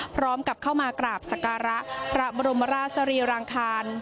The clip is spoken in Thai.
พร้อมกับเข้ามากราบสการะพระบรมราชสรีรางคาร